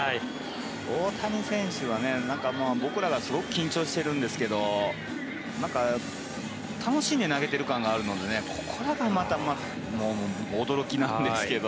大谷選手は僕らがすごく緊張しているんですがなんか楽しんで投げてる感があるのでこれがまた驚きなんですけど。